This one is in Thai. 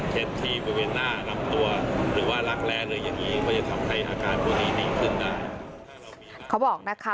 เขาบอกนะคะ